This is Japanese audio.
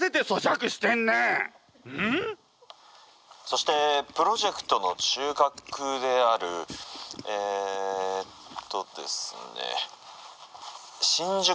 そしてプロジェクトの中核であるえっとですね新宿